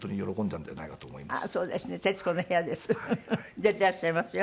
出てらっしゃいますよ。